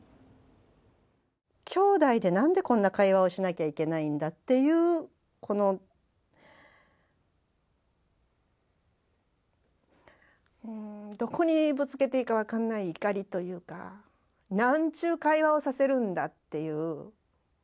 きょうだいで何でこんな会話をしなきゃいけないんだっていうこのどこにぶつけていいか分かんない怒りというか何ちゅう会話をさせるんだっていう。